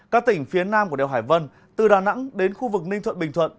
các tỉnh phía nam của đèo hải vân từ đà nẵng đến khu vực ninh thuận bình thuận